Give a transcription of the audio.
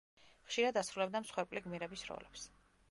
ხშირად ასრულებდა მსხვერპლი გმირების როლებს.